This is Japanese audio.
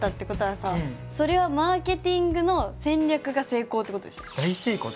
それはマーケティングの戦略が成功ってことでしょう？